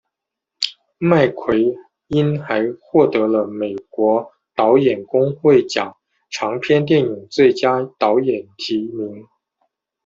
麦奎因还获得了美国导演工会奖长片电影最佳导演提名。